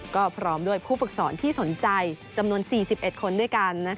ก็พร้อมด้วยผู้ผู้สนใจจำนวน๔๑คนด้วยกัน